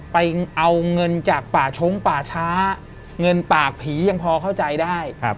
ไปเอาเงินจากป่าชงป่าช้าเงินปากผียังพอเข้าใจได้